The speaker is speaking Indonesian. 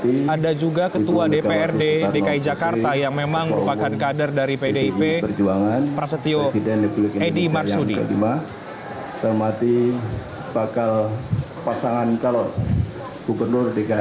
terlihat ada juga ketua dprd dki jakarta yang memang merupakan kader dari pdip